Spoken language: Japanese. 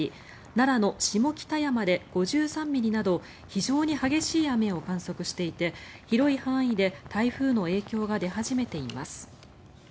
奈良の下北山で５３ミリなど非常に激しい雨を観測していて広い範囲で台風の影響が出始めています。